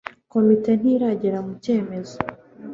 Komite ntiragera ku cyemezo.